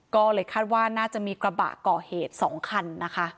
ก็เลยคาดว่าน่าจะมีกระบะก่อเหตุ๒คันนะคะ